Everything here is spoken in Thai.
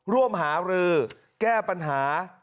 ร่วมหารือแก้ปัญหา